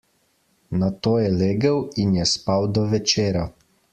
Nato je legel in je spal do večera.